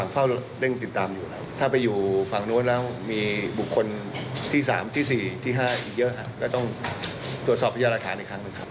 ภายใน๗วันค่ะ